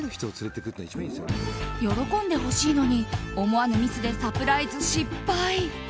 喜んでほしいのに思わぬミスでサプライズ失敗。